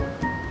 ya elah det